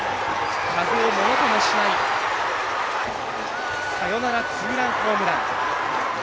風をものともしないサヨナラツーランホームラン。